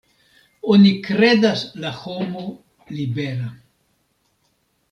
Oni kredas la homo libera.